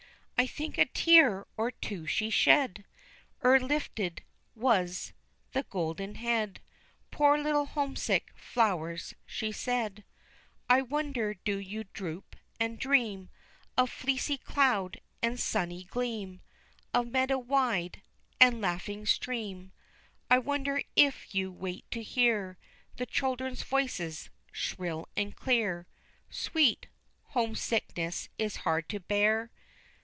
I think a tear or two she shed, Ere lifted was the golden head, "Poor little homesick flowers!" she said. "I wonder do you droop, and dream Of fleecy cloud, and sunny gleam, Of meadow wide, and laughing stream. I wonder if you wait to hear The children's voices, shrill and clear Sweet! homesickness is hard to bear."